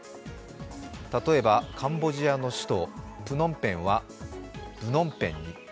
例えば、カンボジアの首都プノンペンはブノンペンに。